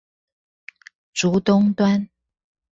竹東端